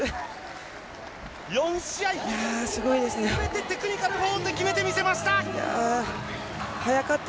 ４試合、全てテクニカルフォールで決めてみせました。